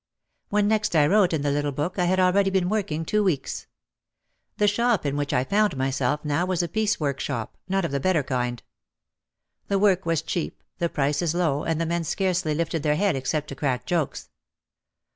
When next I wrote in the little book I had already been working two weeks. The shop in which I found myself now was a piece work shop, not of the better kind. The work was cheap, the prices low and the men scarcely lifted their heads except to crack jokes.